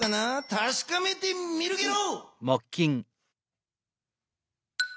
たしかめてみるゲロ！